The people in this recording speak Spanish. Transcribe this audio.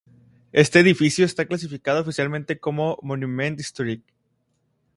Este edificio está clasificado oficialmente como "monument historique".